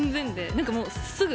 なんかもうすぐ。